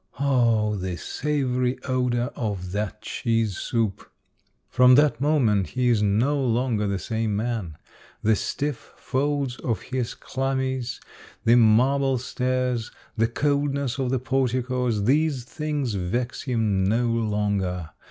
Oh, the savory odor of that cheese soup ! From that moment he is no longer the same man. The stiff folds of his chlamys, the marble stairs, the coldness of the porticos, these things vex him no longer.